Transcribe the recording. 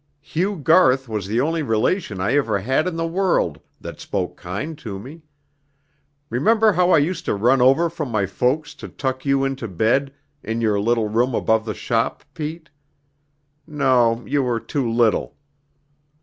Hugh Garth was the only relation I ever had in the world that spoke kind to me. Remember how I used to run over from my folks to tuck you into bed in your little room above the shop, Pete? No, you were too little."